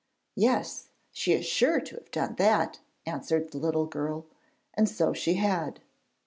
'Yes; she is sure to have done that,' answered the little girl; and so she had.